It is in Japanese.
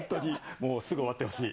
もう、すぐ終わってほしい。